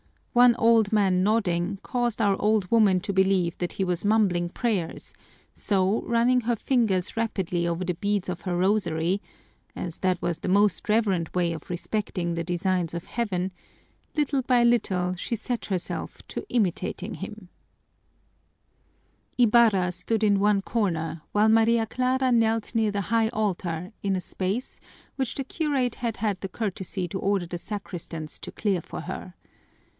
One old man nodding caused our old woman to believe that he was mumbling prayers, so, running her fingers rapidly over the beads of her rosary as that was the most reverent way of respecting the designs of Heaven little by little she set herself to imitating hint. Ibarra stood in one corner while Maria Clara knelt near the high altar in a space which the curate had had the courtesy to order the sacristans to clear for her.